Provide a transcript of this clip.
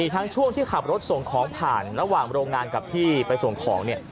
ทั้งช่วงที่ขับรถส่งของผ่านระหว่างโรงงานกับที่ไปส่งของเนี่ย